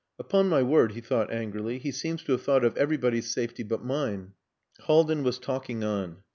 "Upon my word," he thought angrily, "he seems to have thought of everybody's safety but mine." Haldin was talking on.